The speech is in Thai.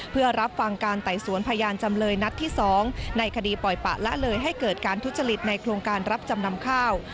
เพื่อรับฟังการไต่สวนพยานจำเลยนัดที่๒ในคดีปล่อยปะละเลยให้เกิดการทุจริตในโครงการรับจำนำข้าว